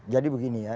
jadi begini ya